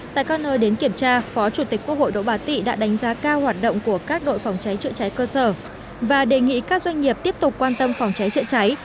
tại các nơi đến kiểm tra phó chủ tịch quốc hội đỗ bà tị đã đánh giá cao hoạt động của các đội phòng cháy chữa cháy cơ sở và đề nghị các doanh nghiệp tiếp tục quan tâm phòng cháy chữa cháy